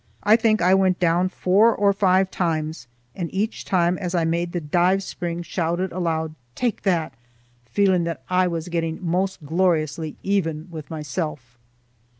I think I went down four or five times, and each time as I made the dive spring shouted aloud, "Take that!" feeling that I was getting most gloriously even with myself.